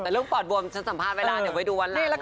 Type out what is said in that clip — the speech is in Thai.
ลุ้มปอดบวมจะสัมภาษณ์เวลาเยอะไว้ดูวันหลัง